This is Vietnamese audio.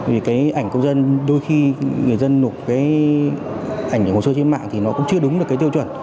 vì cái ảnh công dân đôi khi người dân nộp cái ảnh hưởng hồ sơ trên mạng thì nó cũng chưa đúng được cái tiêu chuẩn